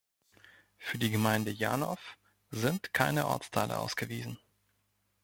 Für die Gemeinde Janov sind keine Ortsteile ausgewiesen.